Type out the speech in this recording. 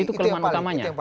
itu kelemahan utamanya